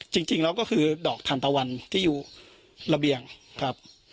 จริงแล้วก็คือดอกทานตะวันที่อยู่ระเบียงครับ